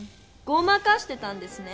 ごまかしてたんですね。